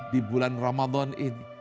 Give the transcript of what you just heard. di bulan ramadan ini